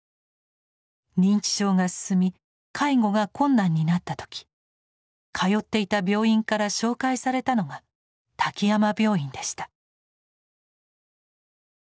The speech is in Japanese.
認知症が進み介護が困難になった時通っていた病院から紹介されたのが滝山病院でした。